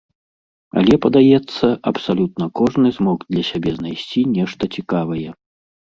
Але, падаецца, абсалютна кожны змог для сябе знайсці нешта цікавае.